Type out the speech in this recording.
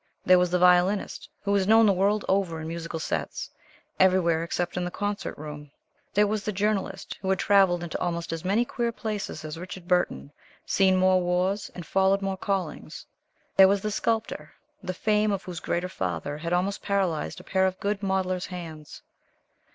There was the Violinist, who was known the world over in musical sets, everywhere, except in the concert room. There was the Journalist, who had travelled into almost as many queer places as Richard Burton, seen more wars, and followed more callings. There was the Sculptor, the fame of whose greater father had almost paralyzed a pair of good modeller's hands.